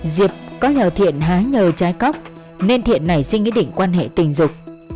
diệp có nhờ thiện hái nhờ trái cóc nên thiện nảy sinh ý định quan hệ tình dục